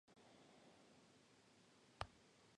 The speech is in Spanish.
Beccar surgió de pronto al plano internacional.